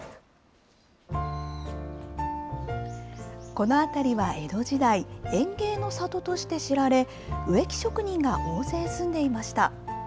この辺りは江戸時代、園芸の里として知られ、植木職人が大勢住んでいました。